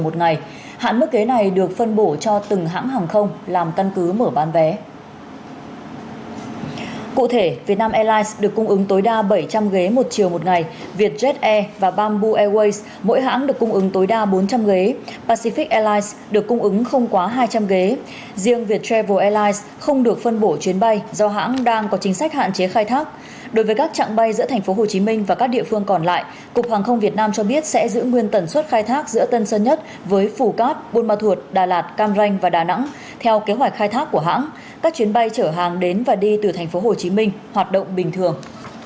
theo kế hoạch khai thác của hãng các chuyến bay chở hàng đến và đi từ tp hcm hoạt động bình thường